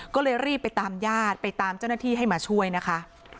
ก็เลยรีบไปตามญาติไปตามเจ้าหน้าที่ให้มาช่วยนะคะ